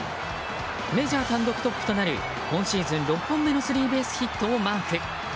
メジャー単独トップとなる今シーズン６本目のスリーベースヒットをマーク。